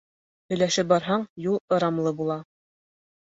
Һөйләшеп барһаң, юл ырамлы була.